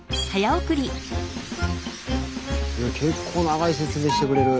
結構長い説明してくれる。